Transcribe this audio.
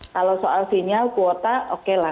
kalau soal sinyal kuota oke lah